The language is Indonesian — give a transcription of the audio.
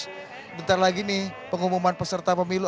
sebentar lagi nih pengumuman peserta pemilu